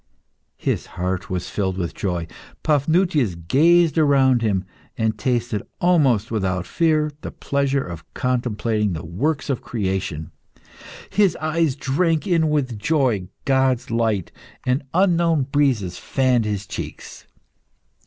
His heart filled with joy, Paphnutius gazed around him, and tasted, almost without fear, the pleasure of contemplating the works of creation; his eyes drank in with joy God's light, and unknown breezes fanned his cheeks.